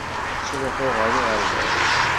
Ttruḥuɣ ɣer uɣerbaz.